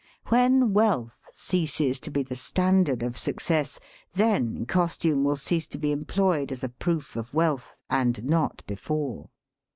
When wealth ceases to be the standard of success, then costume will cease to be employed as a proof of wealth, and not before.